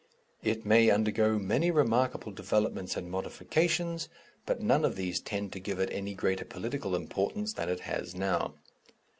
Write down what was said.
It may undergo many remarkable developments and modifications, but none of these tend to give it any greater political importance than it has now.